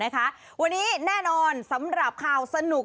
สนุนโดยอีซุสุข